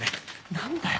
何だよ？